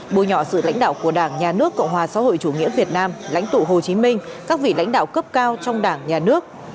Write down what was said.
bôi nhọ sự lãnh đạo của đảng nhà nước cộng hòa xã hội chủ nghĩa việt nam lãnh tụ hồ chí minh các vị lãnh đạo cấp cao trong đảng nhà nước